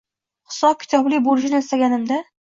Hisob-kitobli bo‘lishini istaganimda